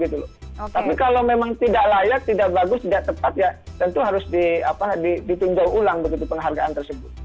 tapi kalau memang tidak layak tidak bagus tidak tepat ya tentu harus ditinjau ulang begitu penghargaan tersebut